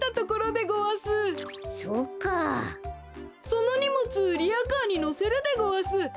そのにもつリアカーにのせるでごわす。